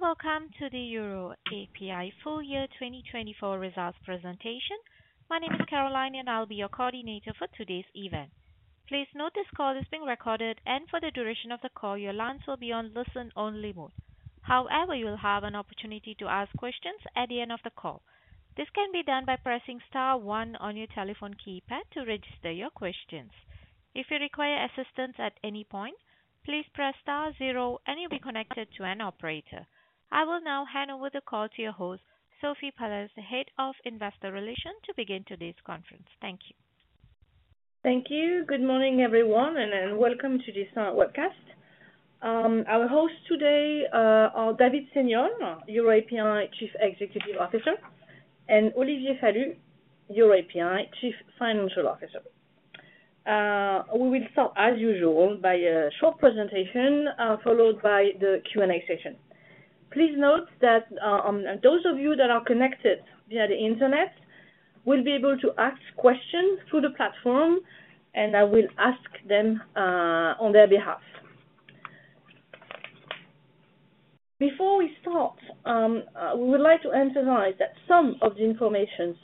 Welcome to the EuroAPI full year 2024 results presentation. My name is Caroline, and I'll be your coordinator for today's event. Please note this call is being recorded, and for the duration of the call, your lines will be on listen-only mode. However, you'll have an opportunity to ask questions at the end of the call. This can be done by pressing star one on your telephone keypad to register your questions. If you require assistance at any point, please press star zero, and you'll be connected to an operator. I will now hand over the call to your host, Sophie Palliez, the Head of Investor Relations, to begin today's conference. Thank you. Thank you. Good morning, everyone, and welcome to this webcast. Our hosts today are David Seignolle, Chief Executive Officer, and Olivier Falut, Chief Financial Officer. We will start, as usual, by a short presentation followed by the Q&A session. Please note that those of you that are connected via the internet will be able to ask questions through the platform, and I will ask them on their behalf. Before we start, we would like to emphasize that some of the information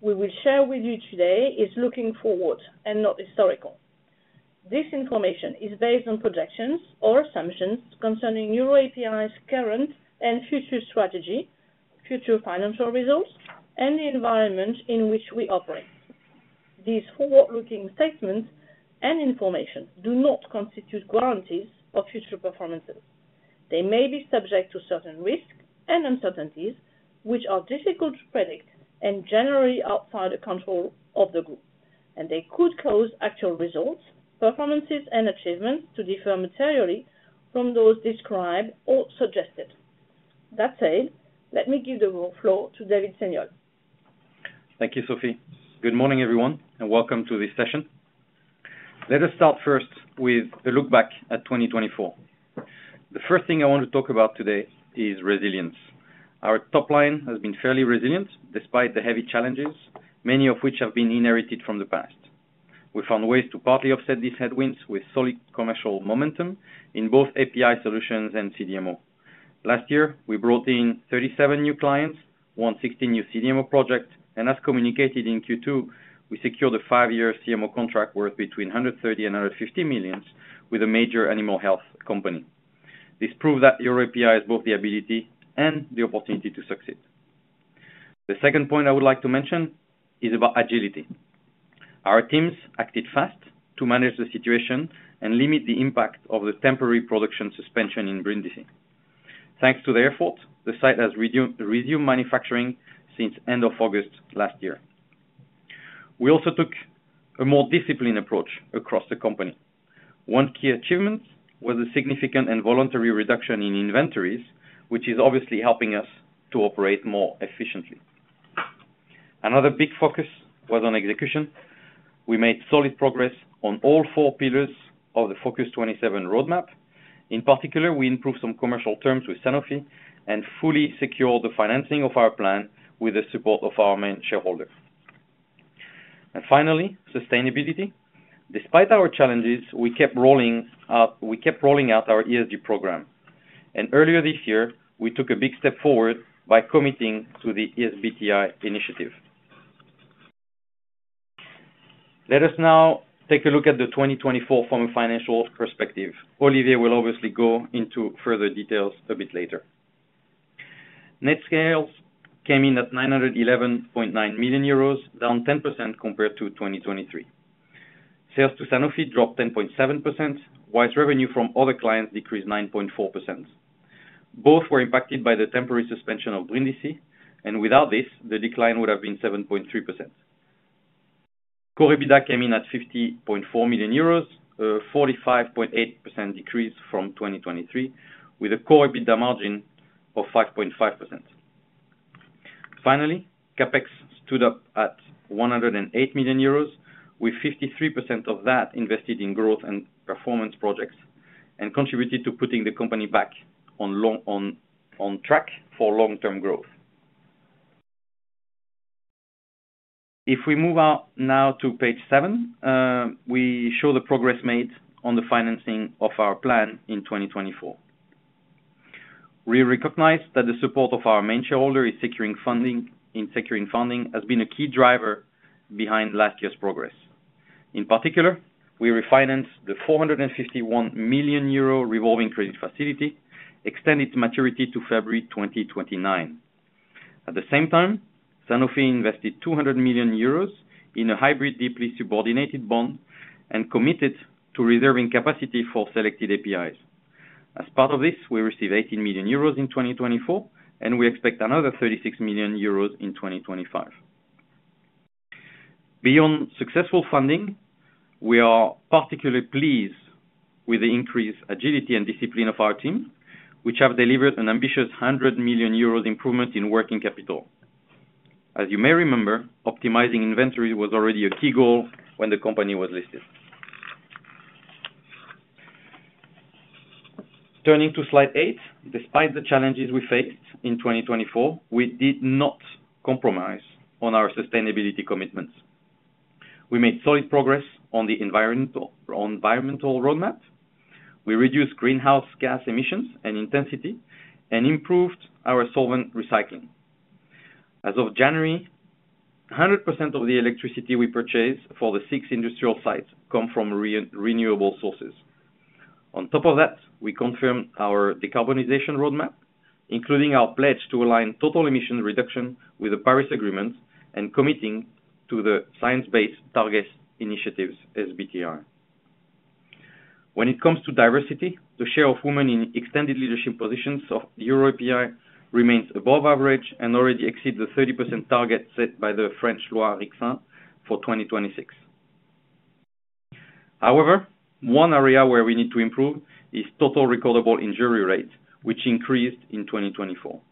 we will share with you today is looking forward and not historical. This information is based on projections or assumptions concerning EuroAPI's current and future strategy, future financial results, and the environment in which we operate. These forward-looking statements and information do not constitute guarantees of future performances. They may be subject to certain risks and uncertainties, which are difficult to predict and generally outside the control of the group. They could cause actual results, performances, and achievements to differ materially from those described or suggested. That said, let me give the floor to David Seignolle. Thank you, Sophie. Good morning, everyone, and welcome to this session. Let us start first with a look back at 2024. The first thing I want to talk about today is resilience. Our top line has been fairly resilient despite the heavy challenges, many of which have been inherited from the past. We found ways to partly offset these headwinds with solid commercial momentum in both API solutions and CDMO. Last year, we brought in 37 new clients, won 16 new CDMO projects, and as communicated in Q2, we secured a five-year CMO contract worth between 130 million and 150 million with a major animal health company. This proved that EuroAPI has both the ability and the opportunity to succeed. The second point I would like to mention is about agility. Our teams acted fast to manage the situation and limit the impact of the temporary production suspension in Brindisi. Thanks to their efforts, the site has resumed manufacturing since the end of August last year. We also took a more disciplined approach across the company. One key achievement was the significant and voluntary reduction in inventories, which is obviously helping us to operate more efficiently. Another big focus was on execution. We made solid progress on all four pillars of the Focus 27 roadmap. In particular, we improved some commercial terms with Sanofi and fully secured the financing of our plan with the support of our main shareholder. Finally, sustainability. Despite our challenges, we kept rolling out our ESG program. Earlier this year, we took a big step forward by committing to the SBTi initiative. Let us now take a look at the 2024 from a financial perspective. Olivier will obviously go into further details a bit later. Net sales came in at 911.9 million euros, down 10% compared to 2023. Sales to Sanofi dropped 10.7%, while revenue from other clients decreased 9.4%. Both were impacted by the temporary suspension of Brindisi, and without this, the decline would have been 7.3%. Core EBITDA came in at 50.4 million euros, a 45.8% decrease from 2023, with a core EBITDA margin of 5.5%. Finally, CapEx stood up at 108 million euros, with 53% of that invested in growth and performance projects and contributed to putting the company back on track for long-term growth. If we move now to page seven, we show the progress made on the financing of our plan in 2024. We recognize that the support of our main shareholder in securing funding has been a key driver behind last year's progress. In particular, we refinanced the 451 million euro revolving credit facility, extended its maturity to February 2029. At the same time, Sanofi invested 200 million euros in a hybrid deeply subordinated bond and committed to reserving capacity for selected APIs. As part of this, we received 18 million euros in 2024, and we expect another 36 million euros in 2025. Beyond successful funding, we are particularly pleased with the increased agility and discipline of our team, which have delivered an ambitious 100 million euros improvement in working capital. As you may remember, optimizing inventory was already a key goal when the company was listed. Turning to slide eight, despite the challenges we faced in 2024, we did not compromise on our sustainability commitments. We made solid progress on the environmental roadmap. We reduced greenhouse gas emissions and intensity and improved our solvent recycling. As of January, 100% of the electricity we purchased for the six industrial sites comes from renewable sources. On top of that, we confirmed our decarbonization roadmap, including our pledge to align total emission reduction with the Paris Agreement and committing to the science-based target initiatives, SBTi. When it comes to diversity, the share of women in extended leadership positions of EuroAPI remains above average and already exceeds the 30% target set by the French loi Rixin for 2026. However, one area where we need to improve is total recordable injury rates, which increased in 2024.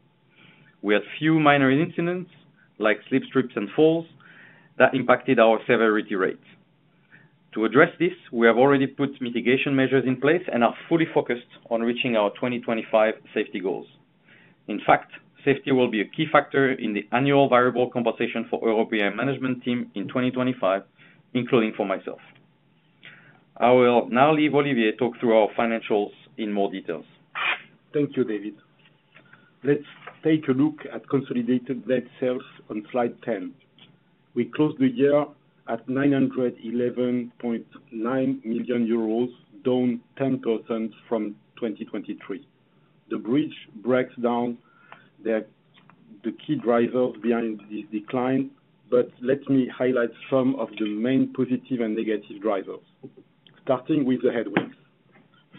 We had few minor incidents, like slips, trips, and falls, that impacted our severity rates. To address this, we have already put mitigation measures in place and are fully focused on reaching our 2025 safety goals. In fact, safety will be a key factor in the annual variable compensation for the EuroAPI management team in 2025, including for myself. I will now leave Olivier to talk through our financials in more details. Thank you, David. Let's take a look at consolidated net sales on slide 10. We closed the year at 911.9 million euros, down 10% from 2023. The bridge breaks down the key drivers behind this decline, but let me highlight some of the main positive and negative drivers, starting with the headwinds.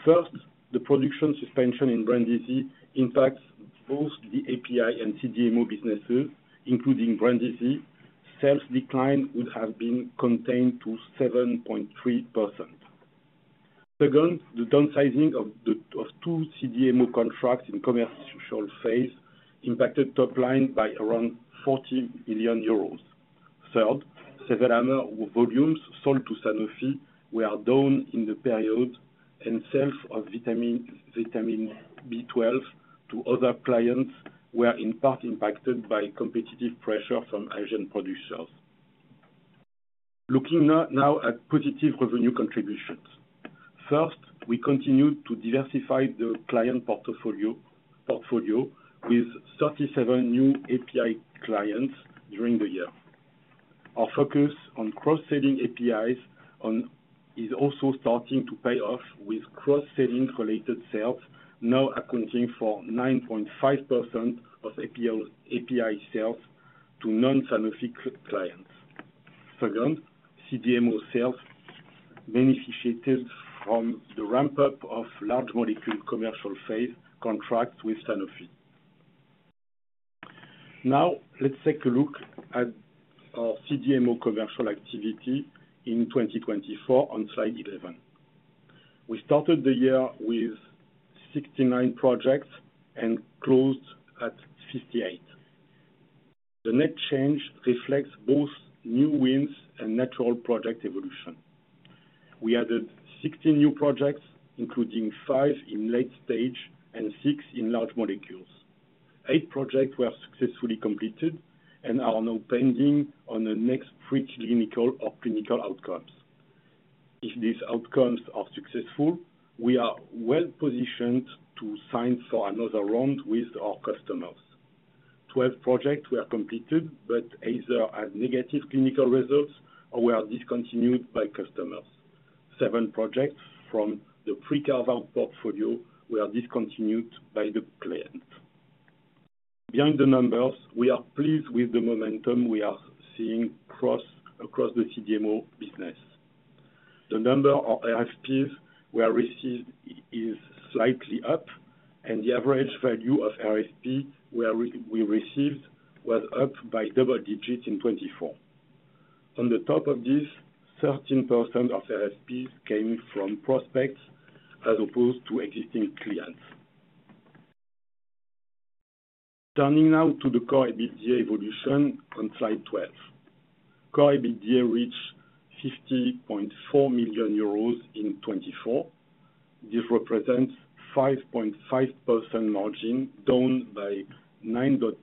First, the production suspension in Brindisi impacts both the API and CDMO businesses, including Brindisi. Sales decline would have been contained to 7.3%. Second, the downsizing of two CDMO contracts in the commercial phase impacted the top line by around 40 million euros. Third, several other volumes sold to Sanofi were down in the period, and sales of vitamin B12 to other clients were in part impacted by competitive pressure from Asian producers. Looking now at positive revenue contributions, first, we continued to diversify the client portfolio with 37 new API clients during the year. Our focus on cross-selling APIs is also starting to pay off, with cross-selling-related sales now accounting for 9.5% of API sales to non-Sanofi clients. Second, CDMO sales benefited from the ramp-up of large molecule commercial phase contracts with Sanofi. Now, let's take a look at our CDMO commercial activity in 2024 on slide 11. We started the year with 69 projects and closed at 58. The net change reflects both new wins and natural project evolution. We added 16 new projects, including five in late stage and six in large molecules. Eight projects were successfully completed and are now pending on the next preclinical or clinical outcomes. If these outcomes are successful, we are well positioned to sign for another round with our customers. Twelve projects were completed, but either had negative clinical results or were discontinued by customers. Seven projects from the pre-covered portfolio were discontinued by the client. Beyond the numbers, we are pleased with the momentum we are seeing across the CDMO business. The number of RFPs we received is slightly up, and the average value of RFP we received was up by double digits in 2024. On top of this, 13% of RFPs came from prospects as opposed to existing clients. Turning now to the Core EBITDA evolution on slide 12. Core EBITDA reached 50.4 million euros in 2024. This represents a 5.5% margin, down by 9.2%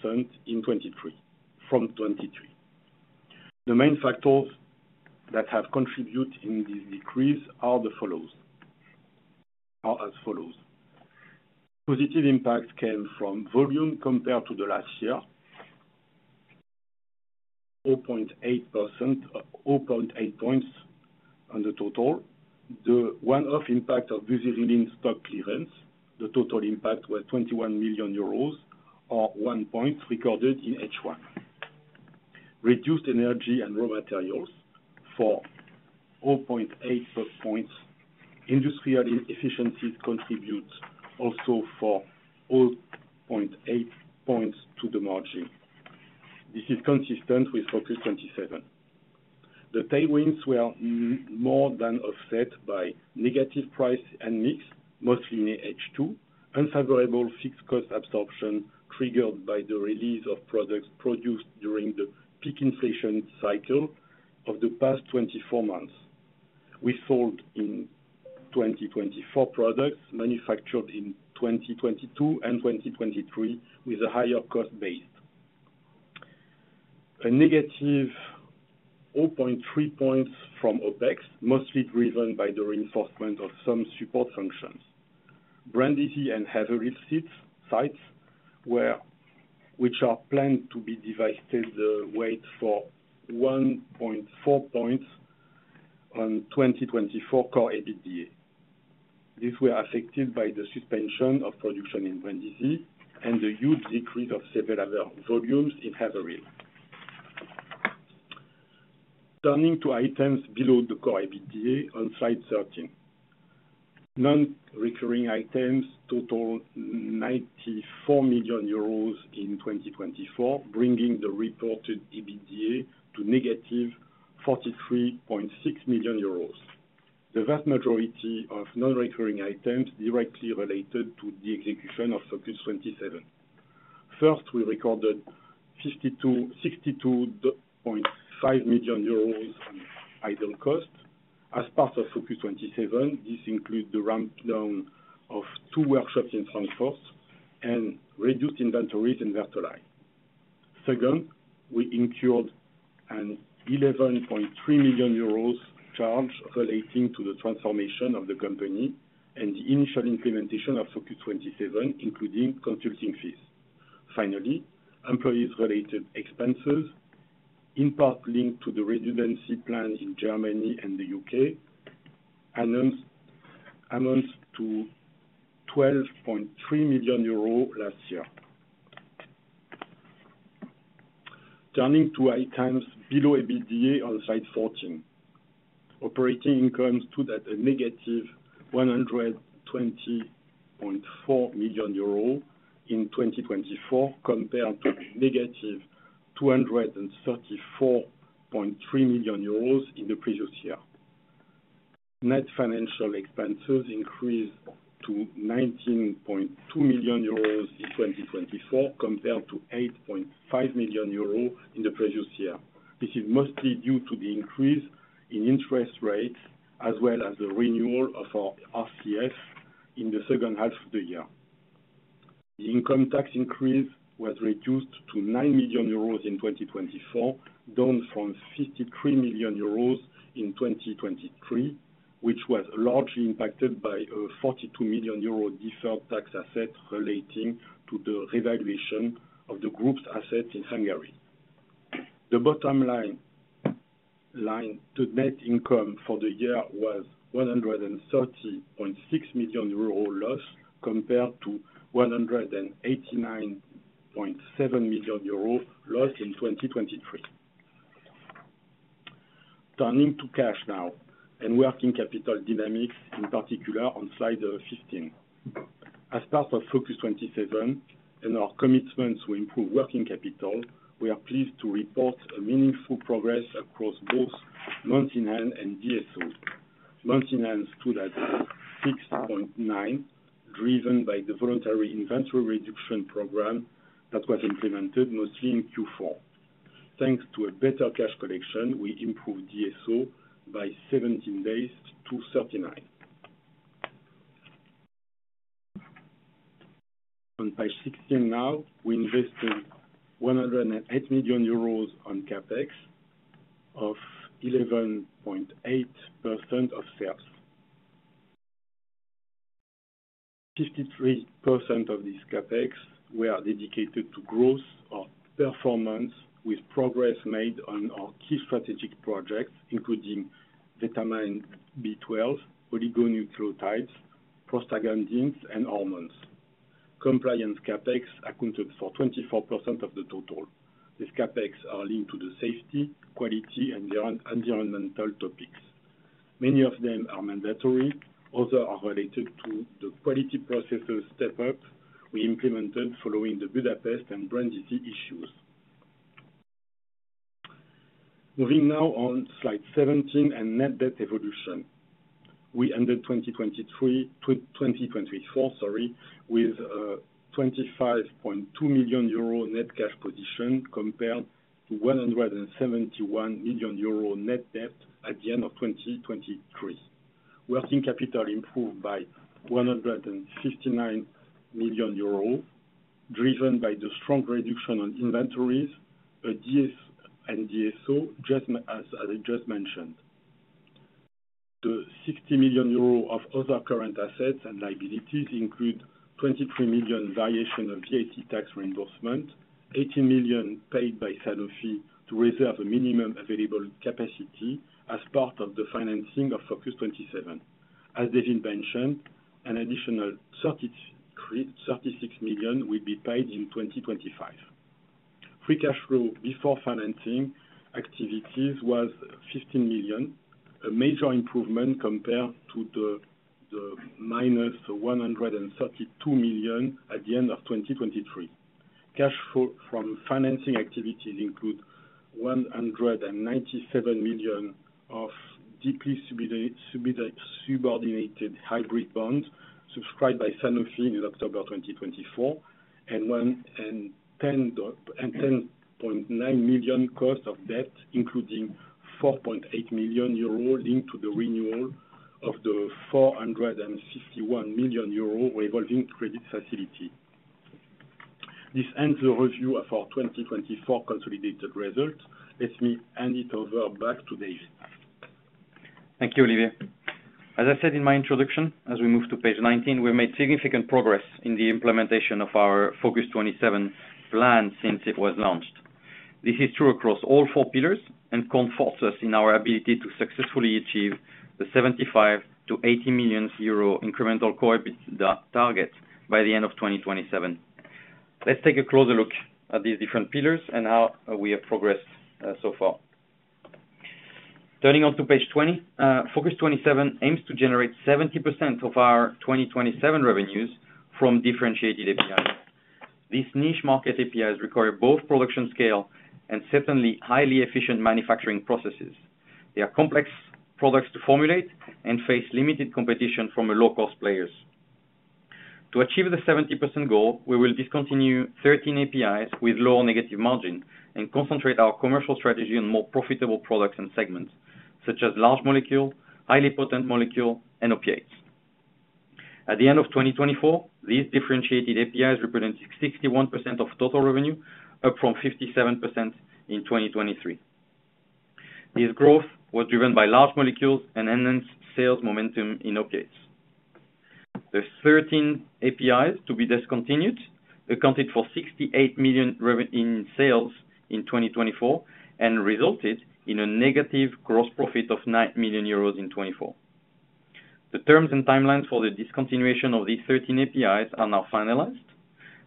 from 2023. The main factors that have contributed in this decrease are as follows. Positive impacts came from volume compared to last year, 0.8 percentage points on the total. The one-off impact of Buserelin stock clearance, the total impact was 21 million euros, or one percentage point, recorded in the first half. Reduced energy and raw materials for 0.8 percentage points. Industrial efficiencies contribute also for 0.8 percentage points to the margin. This is consistent with Focus 27. The tailwinds were more than offset by negative price and mix, mostly in H2. Unfavorable fixed cost absorption triggered by the release of products produced during the peak inflation cycle of the past 24 months. We sold in 2024 products manufactured in 2022 and 2023 with a higher cost base. A negative 0.3 points from OpEx, mostly driven by the reinforcement of some support functions. Brindisi and Heatherhill sites, which are planned to be divested, weighed for 1.4 points on 2024 Core EBITDA. These were affected by the suspension of production in Brindisi and the huge decrease of several other volumes in Heatherhill. Turning to items below the Core EBITDA on slide 13. Non-recurring items totaled 94 million euros in 2024, bringing the reported EBITDA to negative 43.6 million euros. The vast majority of non-recurring items directly related to the execution of Focus 27. First, we recorded 62.5 million euros on idle cost. As part of Focus 27, this included the ramp-down of two workshops in Frankfurt and reduced inventories in Vertolaye. Second, we incurred an 11.3 million euros charge relating to the transformation of the company and the initial implementation of Focus 27, including consulting fees. Finally, employee-related expenses, in part linked to the residency plan in Germany and the U.K., amounted to EUR 12.3 million last year. Turning to items below EBITDA on slide 14. Operating income stood at a negative 120.4 million euro in 2024 compared to a negative 234.3 million euros in the previous year. Net financial expenses increased to 19.2 million euros in 2024 compared to 8.5 million euros in the previous year. This is mostly due to the increase in interest rates, as well as the renewal of our RCF in the second half of the year. The income tax increase was reduced to 9 million euros in 2024, down from 53 million euros in 2023, which was largely impacted by a 42 million euro deferred tax asset relating to the revaluation of the group's assets in Hungary. The bottom line line to net income for the year was 130.6 million euro loss compared to 189.7 million euro loss in 2023. Turning to cash now and working capital dynamics, in particular on slide 15. As part of Focus 27 and our commitment to improve working capital, we are pleased to report a meaningful progress across both month in hand and DSO. Month in hand stood at 6.9, driven by the voluntary inventory reduction program that was implemented mostly in Q4. Thanks to a better cash collection, we improved DSO by 17 days to 39. On page 16 now, we invested 108 million euros on CapEx of 11.8% of sales. 53% of this CapEx were dedicated to growth or performance, with progress made on our key strategic projects, including vitamin B12, oligonucleotides, prostaglandins, and hormones. Compliance CapEx accounted for 24% of the total. These CapEx are linked to the safety, quality, and environmental topics. Many of them are mandatory. Others are related to the quality processes step-up we implemented following the Budapest and Brindisi issues. Moving now on slide 17 and net debt evolution. We ended 2024, sorry, with a 25.2 million euro net cash position compared to 171 million euro net debt at the end of 2023. Working capital improved by 159 million euro, driven by the strong reduction on inventories and DSO, just as I just mentioned. The 60 million euro of other current assets and liabilities include 23 million variation of VAT tax reimbursement, 18 million paid by Sanofi to reserve a minimum available capacity as part of the financing of Focus 27. As David mentioned, an additional 36 million will be paid in 2025. Free cash flow before financing activities was 15 million, a major improvement compared to the minus 132 million at the end of 2023. Cash flow from financing activities includes 197 million of deeply subordinated hybrid bonds subscribed by Sanofi in October 2024 and 10.9 million cost of debt, including 4.8 million euro linked to the renewal of the 451 million euro revolving credit facility. This ends the review of our 2024 consolidated results. Let me hand it over back to David. Thank you, Olivier. As I said in my introduction, as we move to page 19, we've made significant progress in the implementation of our Focus 27 plan since it was launched. This is true across all four pillars and comforts us in our ability to successfully achieve the 75 million-80 million euro incremental core EBITDA target by the end of 2027. Let's take a closer look at these different pillars and how we have progressed so far. Turning on to page 20, Focus 27 aims to generate 70% of our 2027 revenues from differentiated APIs. These niche market APIs require both production scale and certainly highly efficient manufacturing processes. They are complex products to formulate and face limited competition from low-cost players. To achieve the 70% goal, we will discontinue 13 APIs with lower negative margin and concentrate our commercial strategy on more profitable products and segments, such as large molecule, highly potent molecule, and opiates. At the end of 2024, these differentiated APIs represented 61% of total revenue, up from 57% in 2023. This growth was driven by large molecules and enhanced sales momentum in opiates. The 13 APIs to be discontinued accounted for 68 million in sales in 2024 and resulted in a negative gross profit of 9 million euros in 2024. The terms and timelines for the discontinuation of these 13 APIs are now finalized.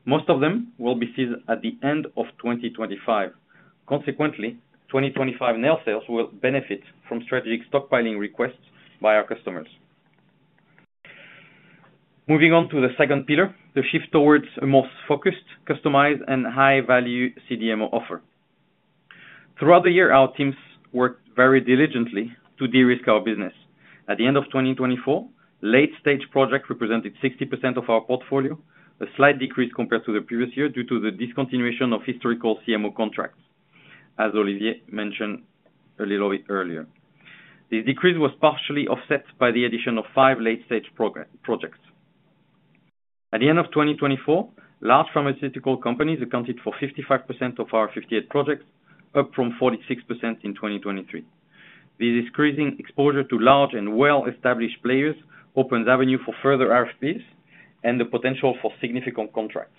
Most of them will be seen at the end of 2025. Consequently, 2025 net sales will benefit from strategic stockpiling requests by our customers. Moving on to the second pillar, the shift towards a more focused, customized, and high-value CDMO offer. Throughout the year, our teams worked very diligently to de-risk our business. At the end of 2024, late-stage projects represented 60% of our portfolio, a slight decrease compared to the previous year due to the discontinuation of historical CMO contracts, as Olivier mentioned a little bit earlier. This decrease was partially offset by the addition of five late-stage projects. At the end of 2024, large pharmaceutical companies accounted for 55% of our 58 projects, up from 46% in 2023. This increasing exposure to large and well-established players opens avenues for further RFPs and the potential for significant contracts.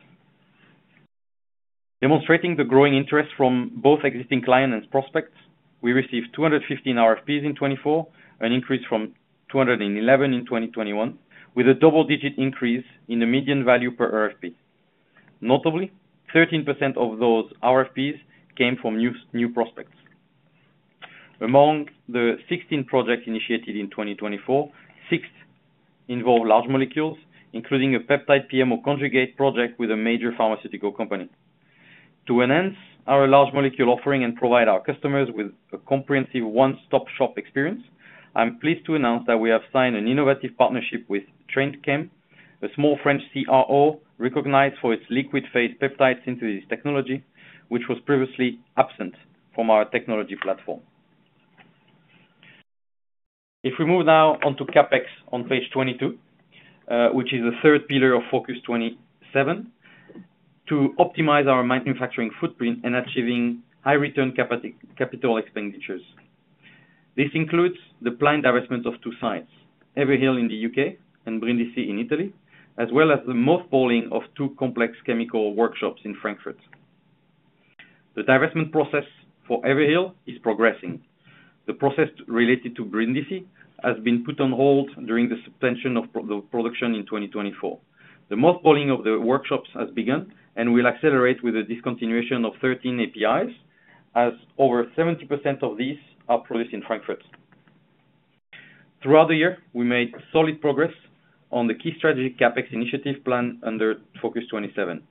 Demonstrating the growing interest from both existing clients and prospects, we received 215 RFPs in 2024, an increase from 211 in 2021, with a double-digit increase in the median value per RFP. Notably, 13% of those RFPs came from new prospects. Among the 16 projects initiated in 2024, six involved large molecules, including a peptide PMO conjugate project with a major pharmaceutical company. To enhance our large molecule offering and provide our customers with a comprehensive one-stop-shop experience, I'm pleased to announce that we have signed an innovative partnership with Trendchem, a small French CRO recognized for its liquid phase peptide synthesis technology, which was previously absent from our technology platform. If we move now on to CapEx on page 22, which is the third pillar of Focus 27, to optimize our manufacturing footprint and achieving high-return capital expenditures. This includes the planned divestment of two sites, Heatherhill in the U.K. and Brindisi in Italy, as well as the mothballing of two complex chemical workshops in Frankfurt. The divestment process for Heatherhill is progressing. The process related to Brindisi has been put on hold during the suspension of the production in 2024. The mothballing of the workshops has begun and will accelerate with the discontinuation of 13 APIs, as over 70% of these are produced in Frankfurt. Throughout the year, we made solid progress on the key strategic CapEx initiative plan under Focus 27.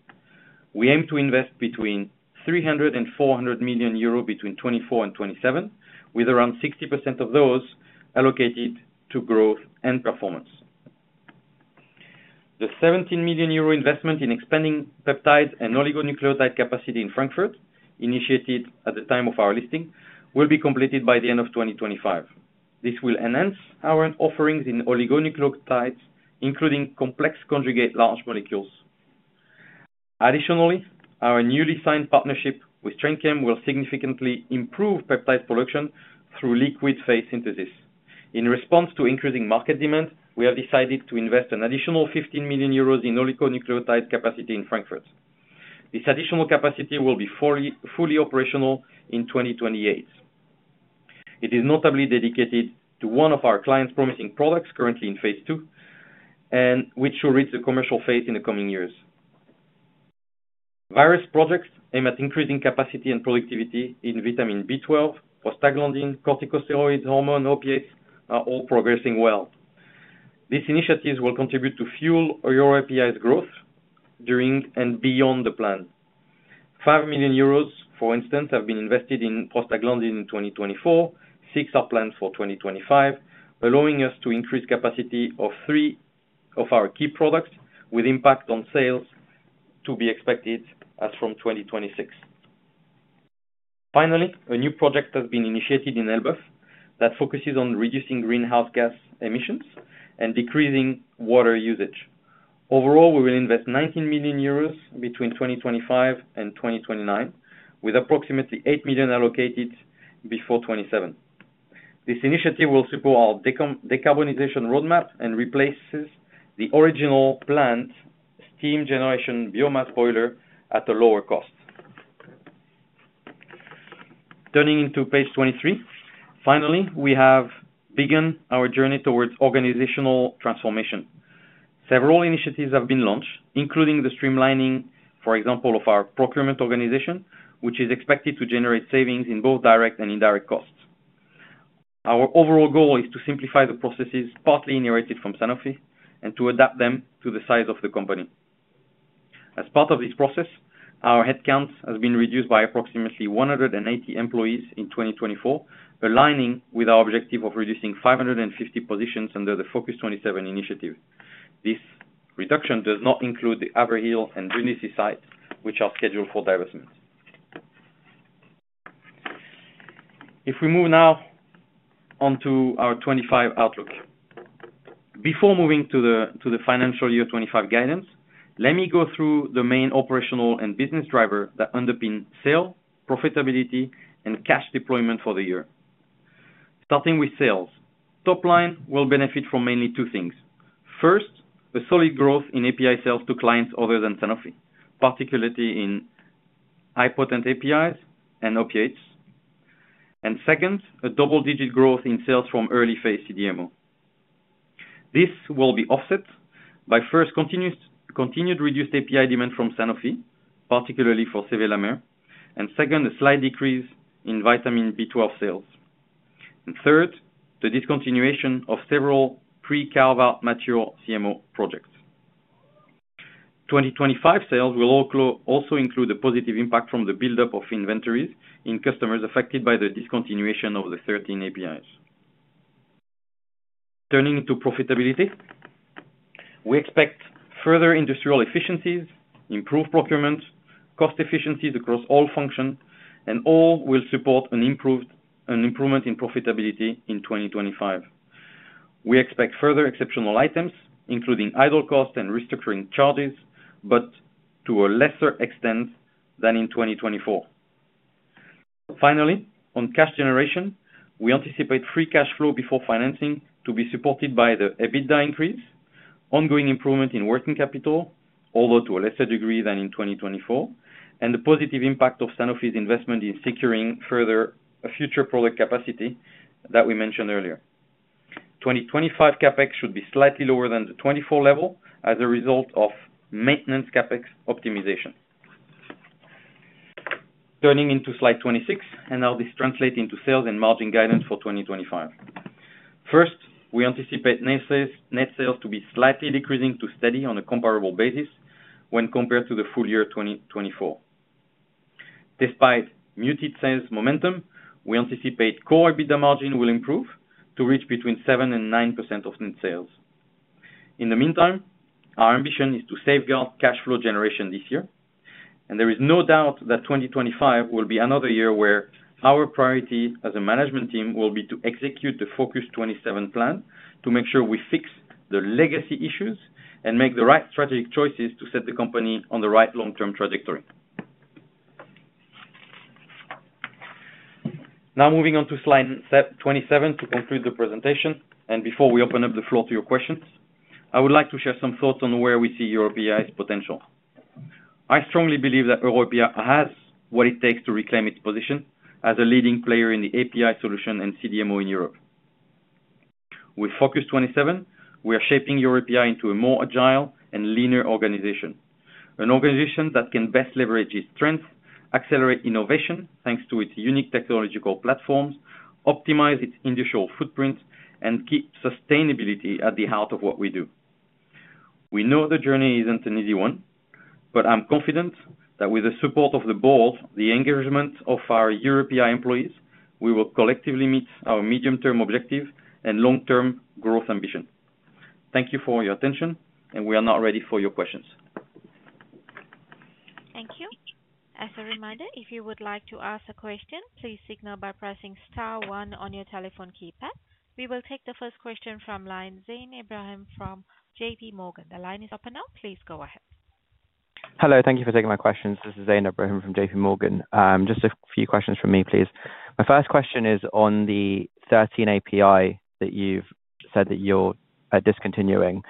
We aim to invest between 300 million euro and 400 million euro between 2024 and 2027, with around 60% of those allocated to growth and performance. The 17 million euro investment in expanding peptides and oligonucleotide capacity in Frankfurt, initiated at the time of our listing, will be completed by the end of 2025. This will enhance our offerings in oligonucleotides, including complex conjugate large molecules. Additionally, our newly signed partnership with Trendchem will significantly improve peptide production through liquid phase synthesis. In response to increasing market demand, we have decided to invest an additional 15 million euros in oligonucleotide capacity in Frankfurt. This additional capacity will be fully operational in 2028. It is notably dedicated to one of our clients' promising products currently in phase II, which will reach the commercial phase in the coming years. Various projects aimed at increasing capacity and productivity in vitamin B12, prostaglandins, corticosteroids, hormones, opiates, are all progressing well. These initiatives will contribute to fuel your API's growth during and beyond the plan. 5 million euros, for instance, have been invested in prostaglandins in 2024. Six are planned for 2025, allowing us to increase capacity of three of our key products, with impact on sales to be expected as from 2026. Finally, a new project has been initiated in Elbeuf that focuses on reducing greenhouse gas emissions and decreasing water usage. Overall, we will invest 19 million euros between 2025 and 2029, with approximately 8 million allocated before 2027. This initiative will support our decarbonization roadmap and replaces the original plant steam generation biomass boiler at a lower cost. Turning into page 23, finally, we have begun our journey towards organizational transformation. Several initiatives have been launched, including the streamlining, for example, of our procurement organization, which is expected to generate savings in both direct and indirect costs. Our overall goal is to simplify the processes partly inherited from Sanofi and to adapt them to the size of the company. As part of this process, our headcount has been reduced by approximately 180 employees in 2024, aligning with our objective of reducing 550 positions under the Focus 27 initiative. This reduction does not include the Heatherhill and Brindisi sites, which are scheduled for divestment. If we move now on to our 2025 outlook. Before moving to the financial year 2025 guidance, let me go through the main operational and business driver that underpin sale, profitability, and cash deployment for the year. Starting with sales, top line will benefit from mainly two things. First, a solid growth in API sales to clients other than Sanofi, particularly in high-potent APIs and opiates. Second, a double-digit growth in sales from early-phase CDMO. This will be offset by, first, continued reduced API demand from Sanofi, particularly for Sevelamer, and, second, a slight decrease in vitamin B12 sales. Third, the discontinuation of several pre-calve material CMO projects. 2025 sales will also include a positive impact from the build-up of inventories in customers affected by the discontinuation of the 13 APIs. Turning into profitability, we expect further industrial efficiencies, improved procurement, cost efficiencies across all functions, and all will support an improvement in profitability in 2025. We expect further exceptional items, including idle costs and restructuring charges, but to a lesser extent than in 2024. Finally, on cash generation, we anticipate free cash flow before financing to be supported by the EBITDA increase, ongoing improvement in working capital, although to a lesser degree than in 2024, and the positive impact of Sanofi's investment in securing further future product capacity that we mentioned earlier. 2025 CapEx should be slightly lower than the 2024 level as a result of maintenance CapEx optimization. Turning into slide 26, and how this translates into sales and margin guidance for 2025. First, we anticipate net sales to be slightly decreasing to steady on a comparable basis when compared to the full year 2024. Despite muted sales momentum, we anticipate core EBITDA margin will improve to reach between 7-9% of net sales. In the meantime, our ambition is to safeguard cash flow generation this year, and there is no doubt that 2025 will be another year where our priority as a management team will be to execute the Focus 27 plan to make sure we fix the legacy issues and make the right strategic choices to set the company on the right long-term trajectory. Now moving on to slide 27 to conclude the presentation, and before we open up the floor to your questions, I would like to share some thoughts on where we see Europe's potential. I strongly believe that Europe has what it takes to reclaim its position as a leading player in the API solution and CDMO in Europe. With Focus 27, we are shaping Europe into a more agile and leaner organization, an organization that can best leverage its strengths, accelerate innovation thanks to its unique technological platforms, optimize its industrial footprint, and keep sustainability at the heart of what we do. We know the journey is not an easy one, but I'm confident that with the support of the board, the engagement of our European employees, we will collectively meet our medium-term objective and long-term growth ambition. Thank you for your attention, and we are now ready for your questions. Thank you. As a reminder, if you would like to ask a question, please signal by pressing star one on your telephone keypad. We will take the first question from line Zain Ebrahim from JP Morgan. The line is open now. Please go ahead. Hello, thank you for taking my questions. This is Zain Ebrahim from JP Morgan. Just a few questions from me, please. My first question is on the 13 API that you've said that you're discontinuing.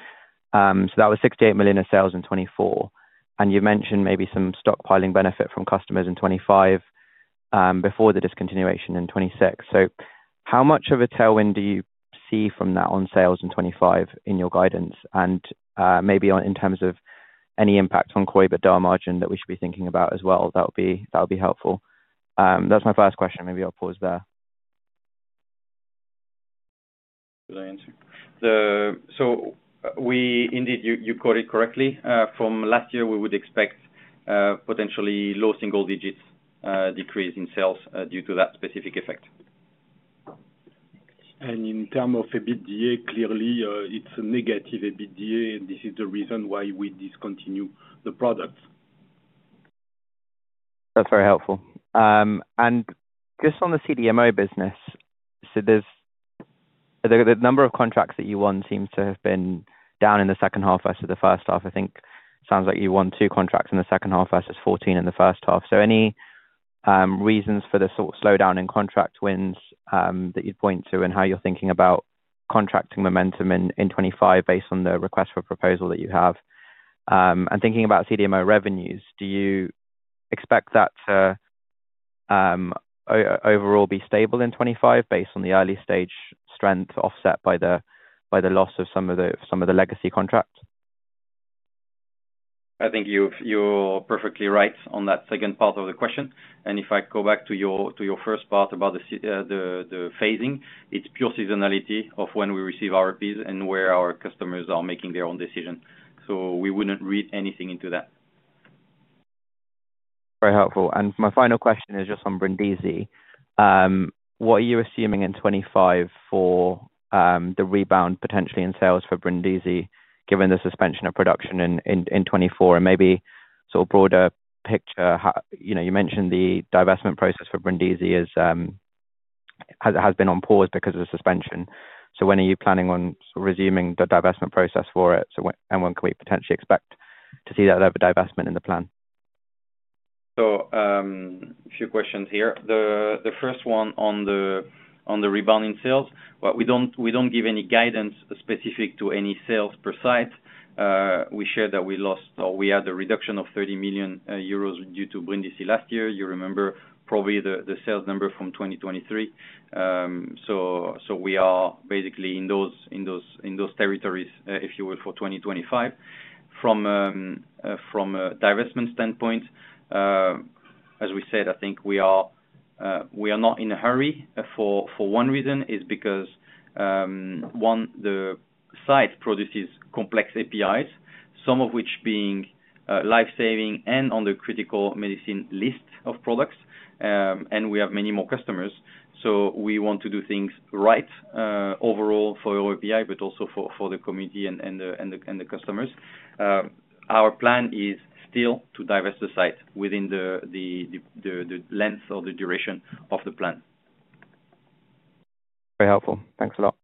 That was 68 million of sales in 2024, and you mentioned maybe some stockpiling benefit from customers in 2025 before the discontinuation in 2026. How much of a tailwind do you see from that on sales in 2025 in your guidance? Maybe in terms of any impact on core EBITDA margin that we should be thinking about as well, that would be helpful. That's my first question. Maybe I'll pause there. Good answer. Indeed, you caught it correctly. From last year, we would expect potentially low single-digit decrease in sales due to that specific effect. In terms of EBITDA, clearly, it's a negative EBITDA, and this is the reason why we discontinue the product. That's very helpful. Just on the CDMO business, the number of contracts that you won seems to have been down in the second half versus the first half. I think it sounds like you won two contracts in the second half versus 14 in the first half. Any reasons for the slowdown in contract wins that you'd point to and how you're thinking about contracting momentum in 2025 based on the request for proposal that you have? Thinking about CDMO revenues, do you expect that to overall be stable in 2025 based on the early-stage strength offset by the loss of some of the legacy contracts? I think you're perfectly right on that second part of the question. If I go back to your first part about the phasing, it's pure seasonality of when we receive RFPs and where our customers are making their own decision. We would not read anything into that. Very helpful. My final question is just on Brindisi. What are you assuming in 2025 for the rebound potentially in sales for Brindisi given the suspension of production in 2024? Maybe sort of broader picture, you mentioned the divestment process for Brindisi has been on pause because of the suspension. When are you planning on resuming the divestment process for it? When can we potentially expect to see that divestment in the plan? A few questions here. The first one on the rebound in sales, we do not give any guidance specific to any sales per site. We shared that we lost or we had a reduction of 30 million euros due to Brindisi last year. You probably remember the sales number from 2023. We are basically in those territories, if you will, for 2025. From a divestment standpoint, as we said, I think we are not in a hurry. For one reason is because, one, the site produces complex APIs, some of which being life-saving and on the critical medicine list of products, and we have many more customers. We want to do things right overall for our API, but also for the community and the customers. Our plan is still to divest the site within the length of the duration of the plan. Very helpful. Thanks a lot.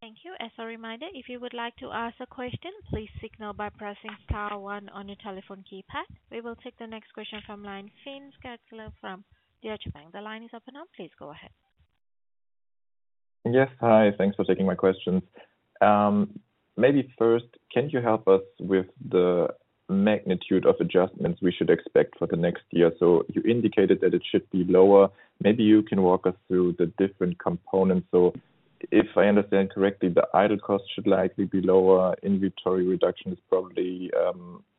Thank you. As a reminder, if you would like to ask a question, please signal by pressing star one on your telephone keypad. We will take the next question from line Finn Selter from Deutsche Bank. The line is open now. Please go ahead. Yes. Hi. Thanks for taking my questions. Maybe first, can you help us with the magnitude of adjustments we should expect for the next year? You indicated that it should be lower. Maybe you can walk us through the different components. If I understand correctly, the idle cost should likely be lower. Inventory reduction is probably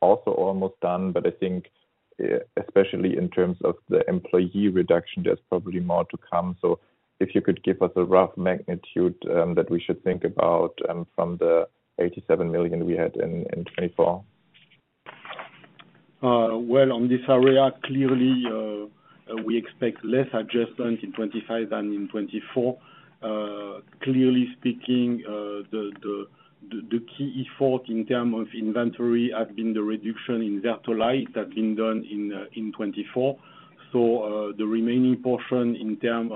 also almost done, but I think especially in terms of the employee reduction, there's probably more to come. If you could give us a rough magnitude that we should think about from the 87 million we had in 2024. On this area, clearly, we expect less adjustment in 2025 than in 2024. Clearly speaking, the key effort in terms of inventory has been the reduction in Vertolaye that's been done in 2024. The remaining portion in terms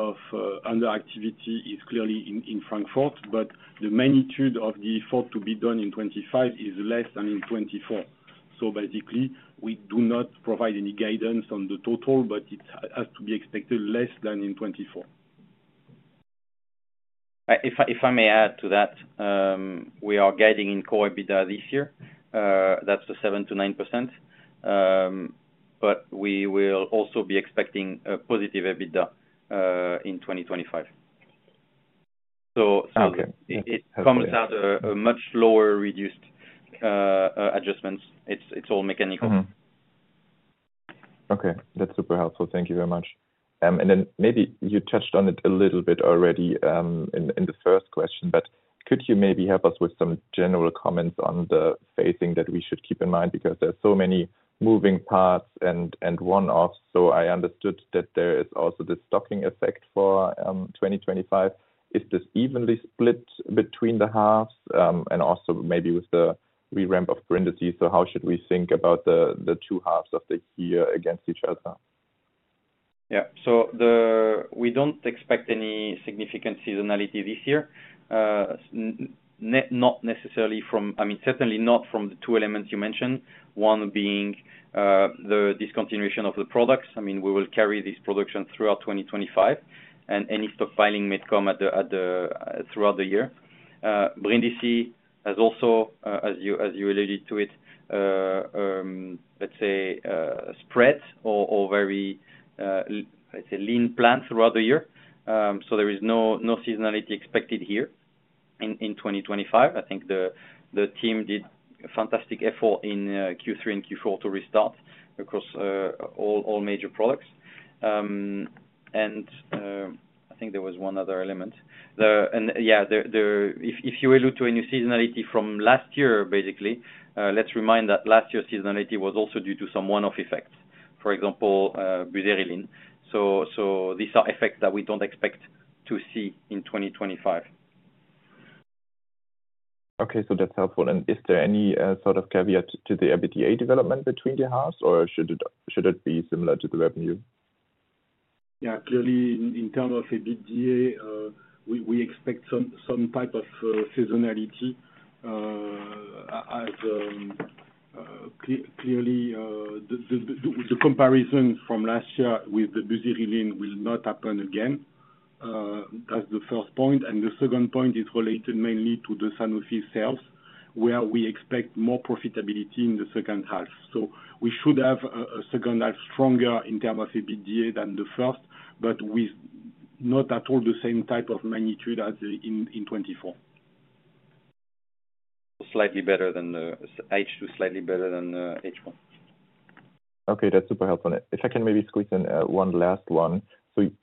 of under activity is clearly in Frankfurt, but the magnitude of the effort to be done in 2025 is less than in 2024. Basically, we do not provide any guidance on the total, but it has to be expected less than in 2024. If I may add to that, we are guiding in core EBITDA this year. That is the 7%-9%. We will also be expecting a positive EBITDA in 2025. It comes out a much lower reduced adjustments. It is all mechanical. Okay. That is super helpful. Thank you very much. Maybe you touched on it a little bit already in the first question, but could you maybe help us with some general comments on the phasing that we should keep in mind? There are so many moving parts and one-offs. I understood that there is also the stocking effect for 2025. Is this evenly split between the halves? Also, maybe with the reramp of Brindisi, how should we think about the two halves of the year against each other? Yeah. We do not expect any significant seasonality this year, not necessarily from, I mean, certainly not from the two elements you mentioned, one being the discontinuation of the products. I mean, we will carry this production throughout 2025, and any stockpiling may come throughout the year. Brindisi has also, as you alluded to it, let's say, spread or very, let's say, lean plans throughout the year. There is no seasonality expected here in 2025. I think the team did a fantastic effort in Q3 and Q4 to restart across all major products. I think there was one other element. Yeah. If you allude to any seasonality from last year, basically, let's remind that last year's seasonality was also due to some one-off effects, for example, Buserelin. These are effects that we don't expect to see in 2025. Okay. That's helpful. Is there any sort of caveat to the EBITDA development between the halves, or should it be similar to the revenue? Yeah. Clearly, in terms of EBITDA, we expect some type of seasonality. Clearly, the comparison from last year with the Buserelin will not happen again. That's the first point. The second point is related mainly to the Sanofi sales, where we expect more profitability in the second half. We should have a second half stronger in terms of EBITDA than the first, but with not at all the same type of magnitude as in 2024. Slightly better than the H2, slightly better than the H1. Okay. That's super helpful. If I can maybe squeeze in one last one.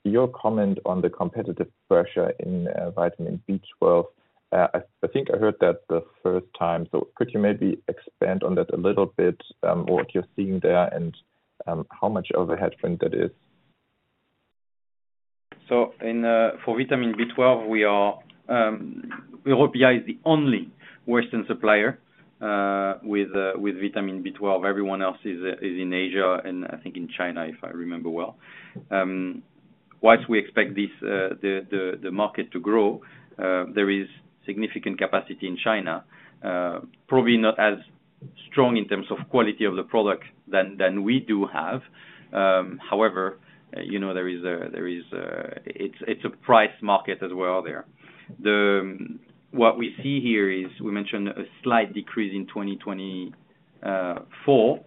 Your comment on the competitive pressure in vitamin B12, I think I heard that the first time. Could you maybe expand on that a little bit, what you're seeing there and how much overhead print that is? For vitamin B12, Europe is the only Western supplier with vitamin B12. Everyone else is in Asia and I think in China, if I remember well. Whilst we expect the market to grow, there is significant capacity in China, probably not as strong in terms of quality of the product than we do have. However, there is a price market as well there. What we see here is we mentioned a slight decrease in 2024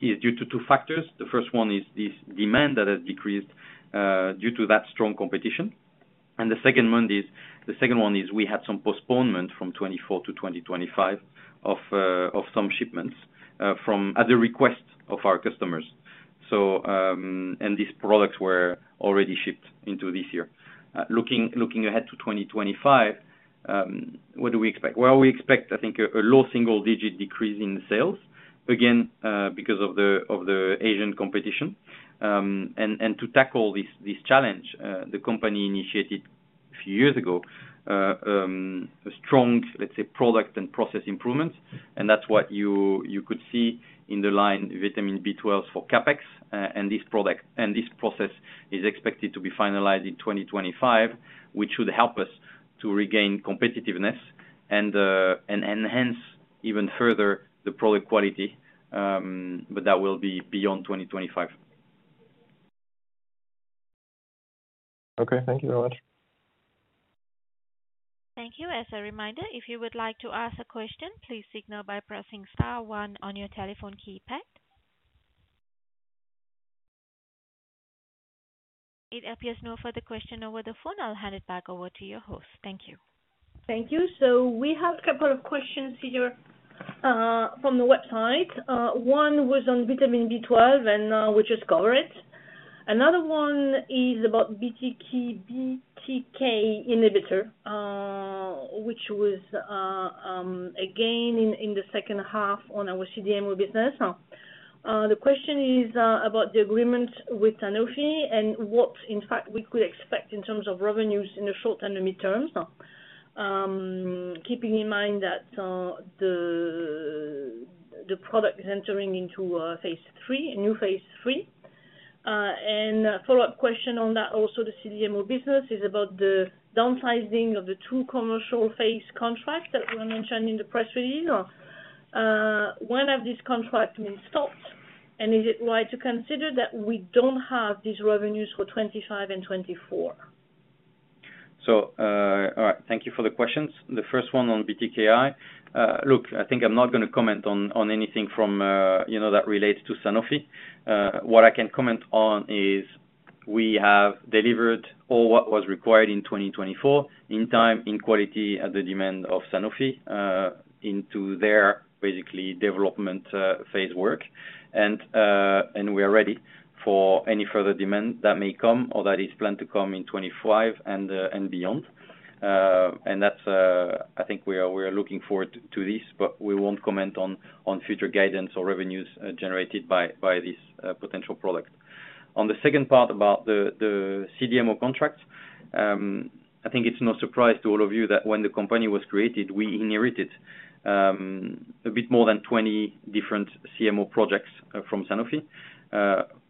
is due to two factors. The first one is this demand that has decreased due to that strong competition. The second one is we had some postponement from 2024-2025 of some shipments at the request of our customers. These products were already shipped into this year. Looking ahead to 2025, what do we expect? We expect, I think, a low single-digit decrease in sales, again, because of the Asian competition. To tackle this challenge, the company initiated a few years ago a strong, let's say, product and process improvements. That is what you could see in the line vitamin B12 for CapEx. This product and this process is expected to be finalized in 2025, which should help us to regain competitiveness and enhance even further the product quality, but that will be beyond 2025. Okay. Thank you very much. Thank you. As a reminder, if you would like to ask a question, please signal by pressing star one on your telephone keypad. It appears no further question over the phone. I'll hand it back over to your host. Thank you. Thank you. We have a couple of questions here from the website. One was on vitamin B12, and we just covered it. Another one is about BTK inhibitor, which was again in the second half on our CDMO business. The question is about the agreement with Sanofi and what, in fact, we could expect in terms of revenues in the short and the midterms, keeping in mind that the product is entering into a new phase III. A follow-up question on that also, the CDMO business is about the downsizing of the two commercial phase contracts that were mentioned in the press release. When have these contracts been stopped? Is it right to consider that we do not have these revenues for 2025 and 2024? All right. Thank you for the questions. The first one on BTKi. Look, I think I am not going to comment on anything that relates to Sanofi. What I can comment on is we have delivered all what was required in 2024 in time, in quality, at the demand of Sanofi into their basically development phase work. We are ready for any further demand that may come or that is planned to come in 2025 and beyond. I think we are looking forward to this, but we will not comment on future guidance or revenues generated by this potential product. On the second part about the CDMO contracts, I think it's no surprise to all of you that when the company was created, we inherited a bit more than 20 different CMO projects from Sanofi.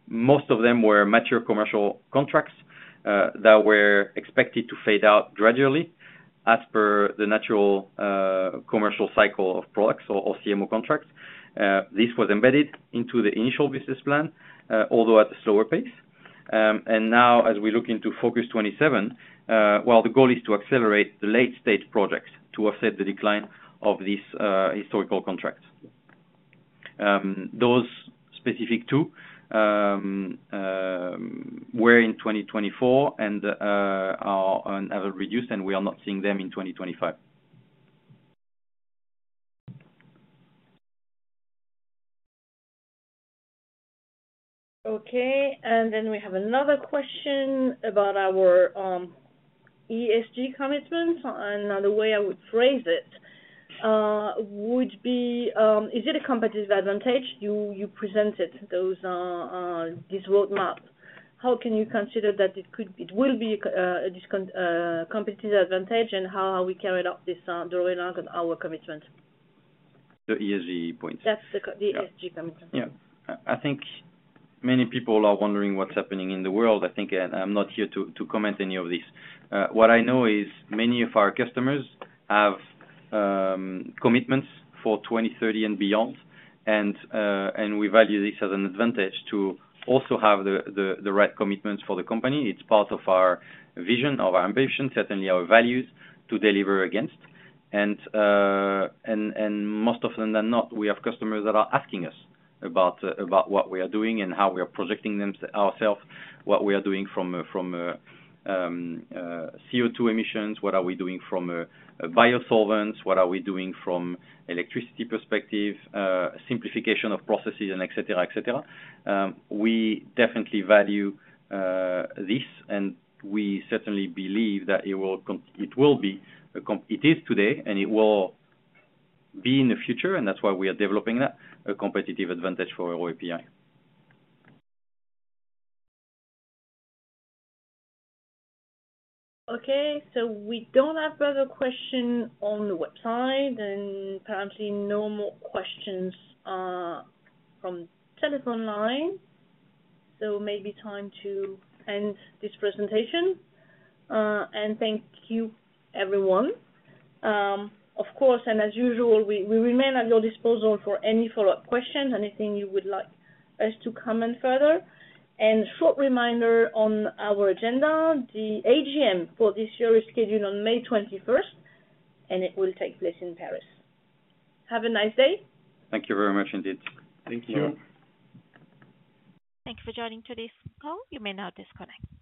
Most of them were mature commercial contracts that were expected to fade out gradually as per the natural commercial cycle of products or CMO contracts. This was embedded into the initial business plan, although at a slower pace. As we look into Focus 27, the goal is to accelerate the late-stage projects to offset the decline of these historical contracts. Those specific two were in 2024 and have reduced, and we are not seeing them in 2025. Okay. We have another question about our ESG commitments. Another way I would phrase it would be, is it a competitive advantage? You presented this roadmap. How can you consider that it will be a competitive advantage and how we carried out this drawing out of our commitment? The ESG points. That's the ESG commitment. Yeah. I think many people are wondering what's happening in the world. I think I'm not here to comment on any of this. What I know is many of our customers have commitments for 2030 and beyond, and we value this as an advantage to also have the right commitments for the company. It's part of our vision, of our ambition, certainly our values to deliver against. Most often than not, we have customers that are asking us about what we are doing and how we are projecting ourselves, what we are doing from CO2 emissions, what are we doing from biosolvents, what are we doing from electricity perspective, simplification of processes, etc., etc. We definitely value this, and we certainly believe that it will be a, it is today, and it will be in the future, and that is why we are developing that, a competitive advantage for our API. Okay. We do not have further questions on the website, and apparently no more questions from the telephone line. Maybe time to end this presentation. Thank you, everyone. Of course, as usual, we remain at your disposal for any follow-up questions, anything you would like us to comment further. A short reminder on our agenda. The AGM for this year is scheduled on May 21st, and it will take place in Paris. Have a nice day. Thank you very much indeed. Thank you. Thank you for joining today's call. You may now disconnect.